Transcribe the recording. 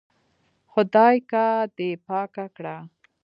خدايکه دې پاکه کړه.